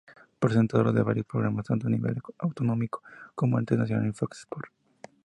Presentadora de varios programas, tanto a nivel autonómico como internacional en Fox Sports.